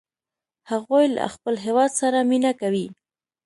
هغوی له خپل هیواد سره مینه کوي